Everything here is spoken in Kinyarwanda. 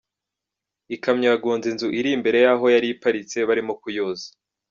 Ikamyo yagonze inzu iri imbere yaho yari iparitse barimo kuyoza.